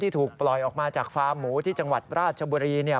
ที่ถูกปล่อยออกมาจากราชบุรีราชบุรี